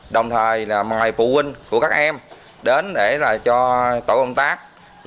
đồng thời là mời phụ huynh của các em đến để cho tổ công tác